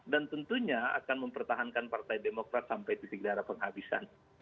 dan tentunya akan mempertahankan partai demokrat sampai titik darah penghabisan